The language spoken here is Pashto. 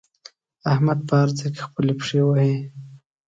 احمد په هر ځای کې خپلې پښې وهي.